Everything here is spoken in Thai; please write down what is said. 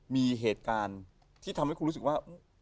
มีเหตุการณ์ที่ทำให้คุณรู้สึกว่า